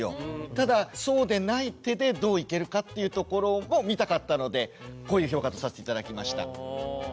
ただそうでない手でどういけるかっていうところを見たかったのでこういう評価とさせて頂きました。